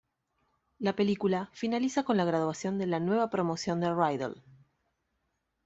La película finaliza con la graduación de la nueva promoción de Rydell.